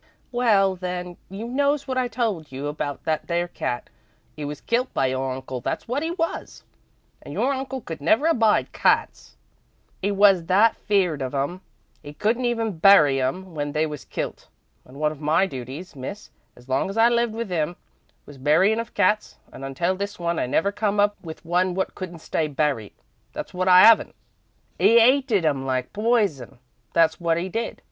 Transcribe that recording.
"Well, then, you knows wot I told you about that there cat. 'E was kilt by your uncle, that's wot 'e was, and your uncle couldn't never abide cats. 'E was that feared of 'em 'e couldn't even bury 'em when they was kilt, and one of my duties, Miss, as long as I lived with 'im, was buryin' of cats, and until this one, I never come up with one wot couldn't stay buried, that's wot I 'aven't. "'E 'ated 'em like poison, that's wot 'e did.